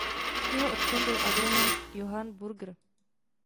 Jeho otcem byl agronom Johann Burger.